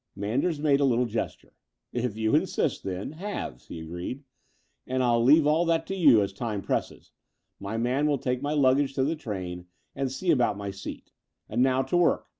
Manders made a little gesture. "As you insist then — ^halves," he agreed; '*and I'll leave all that to you, as time presses. My man will take my luggage to the train and see about my seat. And now to work!